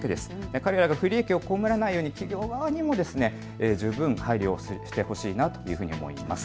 彼らが不利益を被らないように企業側にも十分配慮してほしいなというふうに思います。